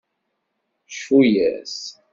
Cfu-yas!